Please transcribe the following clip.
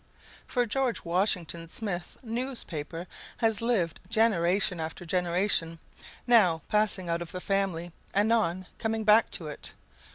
For George Washington Smith's newspaper has lived generation after generation, now passing out of the family, anon coming back to it.